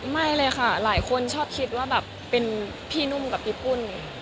ไม่เลยค่ะหลายคนชอบคิดว่าแบบเป็นพี่นุ่มกับพี่ปุ้น